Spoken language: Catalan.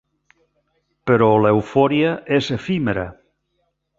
Però l'eufòria és efímera.